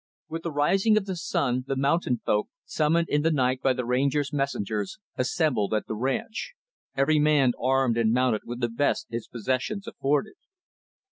With the rising of the sun, the mountain folk, summoned in the night by the Ranger's messengers, assembled at the ranch; every man armed and mounted with the best his possessions afforded.